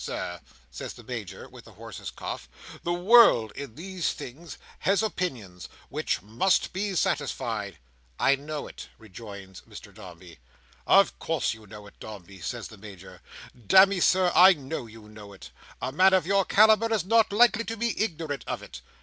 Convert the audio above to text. Sir," says the Major, with the horse's cough, "the world in these things has opinions, which must be satisfied." "I know it," rejoins Mr Dombey. "Of course you know it, Dombey," says the Major, "Damme, Sir, I know you know it. A man of your calibre is not likely to be ignorant of it."